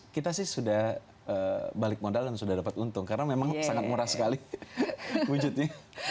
kita sih sudah balik modal dan sudah dapat untung karena memang sangat murah sekali wujudnya